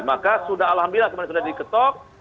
maka sudah alhamdulillah kemarin sudah diketok